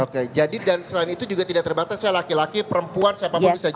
oke jadi dan selain itu juga tidak terbatas ya laki laki perempuan siapapun bisa jadi